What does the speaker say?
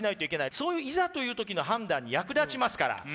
そういういざという時の判断に役立ちますから。